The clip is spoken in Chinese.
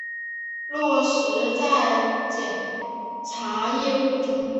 落实在检察业务中